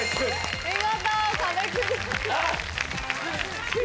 見事壁クリア。